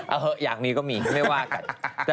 เอาเถอะอยากมีก็มีไม่ว่ากัน